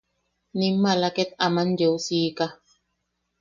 Nim maala ket aman yeu siika.